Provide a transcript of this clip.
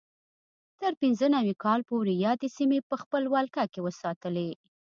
تر پینځه نوي کال پورې یادې سیمې په خپل ولکه کې وساتلې.